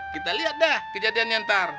kita liat dah kejadiannya ntar